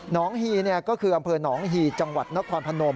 หนองหี่นี่ก็คืออำเภอหนองหี่จังหวัดนครพนม